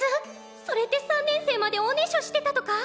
それって３年生までおねしょしてたとか？